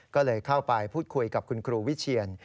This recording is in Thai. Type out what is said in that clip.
ก็เลยเข้าไปพูดคุยกับคุณครูวิเชียน